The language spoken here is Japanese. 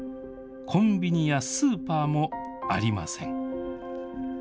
コンビニやスーパーもありません。